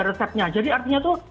resepnya jadi artinya itu